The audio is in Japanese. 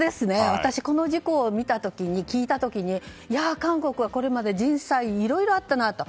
私、この事故を聞いた時に韓国はこれまで人災いろいろあったなと。